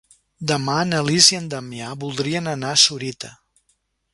Demà na Lis i en Damià voldrien anar a Sorita.